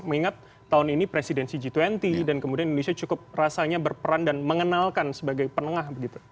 mengingat tahun ini presidensi g dua puluh dan kemudian indonesia cukup rasanya berperan dan mengenalkan sebagai penengah begitu